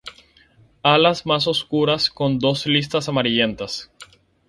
Alas más oscuras con dos listas amarillentas.